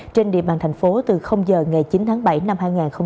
trên địa bàn thành phố từ giờ ngày chín tháng bảy năm hai nghìn hai mươi